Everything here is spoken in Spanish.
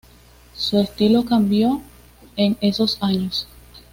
Su estilo cambió en esos años.